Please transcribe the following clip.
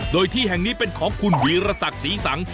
โดยที่แห่งนี้เป็นของคุณวีรศักดิ์ศรีสัง